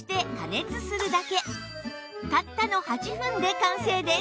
たったの８分で完成です